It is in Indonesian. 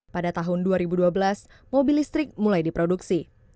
pada tahun dua ribu dua belas mobil listrik mulai diproduksi